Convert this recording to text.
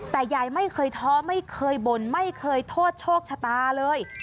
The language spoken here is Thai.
แต่ยายไม่เคยท้อไม่เคยบ่นไม่เคยโทษโชคชะตาเลย